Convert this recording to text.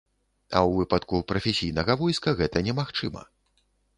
А ў выпадку прафесійнага войска гэта немагчыма.